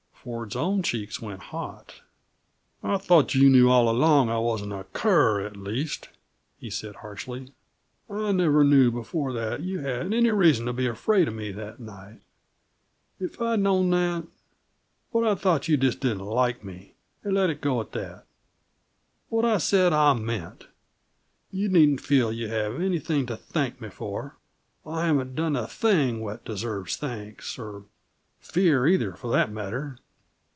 Ford's own cheeks went hot. "I thought you knew all along that I wasn't a cur, at least," he said harshly. "I never knew before that you had any reason to be afraid of me, that night. If I'd known that but I thought you just didn't like me, and let it go at that. And what I said I meant. You needn't feel that you have anything to thank me for; I haven't done a thing that deserves thanks or fear either, for that matter."